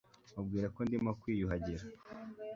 Mubwire ko ndimo kwiyuhagira